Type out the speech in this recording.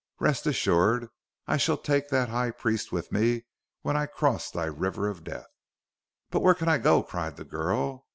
Rest assured I shall take that High Priest with me, when I cross thy River of Death!" "But where can I go?" cried the girl.